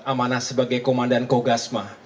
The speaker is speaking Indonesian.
amanah sebagai komandan kogasma